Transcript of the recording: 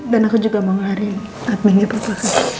dan aku juga mau ngaring adminnya papa